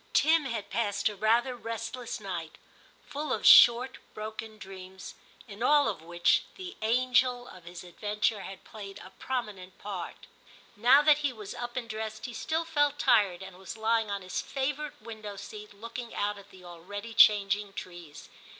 Tim had passed a rather restless night, full of short broken dreams, in all of which, the 'anger of his adventure had played a prominent part. Now that he was up and dressed, he still felt tired, and was lying on his favourite window seat looking out at the already changing trees.